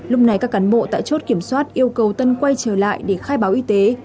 lúc này các cán bộ tại chốt kiểm soát yêu cầu tân quay trở lại để khai báo y tế